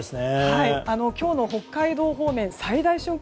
今日の北海道方面最大瞬間